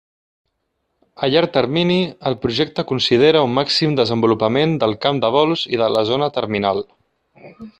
A llarg termini, el Projecte considera un màxim desenvolupament del camp de vols i de la zona terminal.